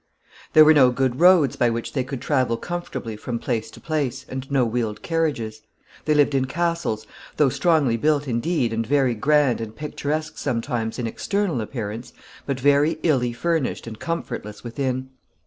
There were no good roads by which they could travel comfortably from place to place, and no wheeled carriages. They lived in castles, very strongly built indeed, and very grand and picturesque sometimes in external appearance, but very illy furnished and comfortless within.